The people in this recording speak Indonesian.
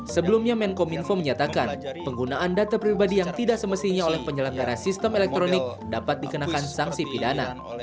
sebelumnya menkom info menyatakan penggunaan data pribadi yang tidak semestinya oleh penyelenggara sistem elektronik dapat dikenakan sanksi pidana